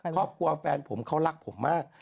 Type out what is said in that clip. เขากลัวแฟนผมเขารักผมมาก